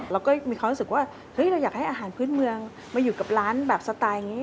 เราก็มีความรู้สึกว่าเฮ้ยเราอยากให้อาหารพื้นเมืองมาอยู่กับร้านแบบสไตล์อย่างนี้